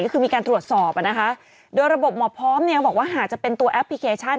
ก็คือมีการตรวจสอบอ่ะนะคะโดยระบบหมอพร้อมเนี่ยเขาบอกว่าหากจะเป็นตัวแอปพลิเคชัน